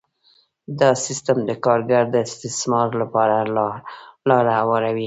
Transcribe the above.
دا سیستم د کارګر د استثمار لپاره لاره هواروي